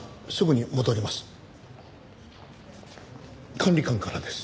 管理官からです。